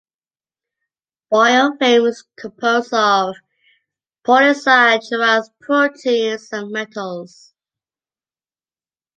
Biofilm is composed of polysaccharides, proteins, and metals.